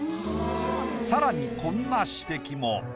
更にこんな指摘も。